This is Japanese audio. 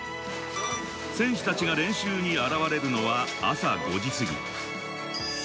選手達が練習に現れるのは朝５時すぎ。